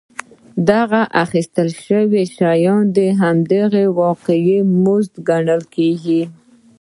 دغه اخیستل شوي شیان د هغوی واقعي مزد ګڼل کېږي